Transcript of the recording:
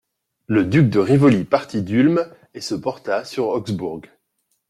Le duc de Rivoli partit d'Ulm et se porta sur Augsbourg.